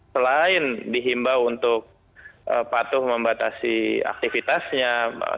selain dihimbau untuk patuh membatasan